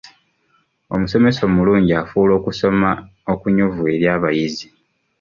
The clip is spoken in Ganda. Omusomesa omulungi afuula okusoma okunyuvu eri abayizi.